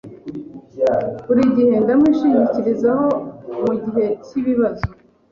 Buri gihe ndamwishingikirizaho mugihe cyibibazo.